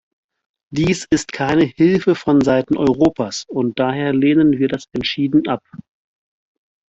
Dies ist keine Hilfe vonseiten Europas und daher lehnen wir das entschieden ab.